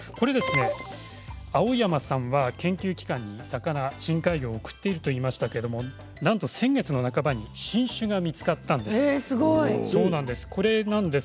青山さんは研究機関に魚、深海魚を送っていると言いましたがなんと先月の半ばに新種が見つかったんです。